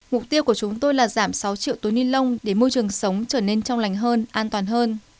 mục tiêu của chúng tôi là giảm sáu triệu túi ni lông để môi trường sống trở nên trong lành hơn an toàn hơn